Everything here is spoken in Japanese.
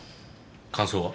感想は？